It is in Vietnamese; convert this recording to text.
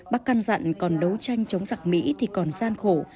bác căn dặn còn đấu tranh chống giặc mỹ thì còn gian khổ